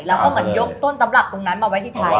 แล้วก็เหมือนยกต้นตำรับตรงนั้นมาไว้ที่ไทย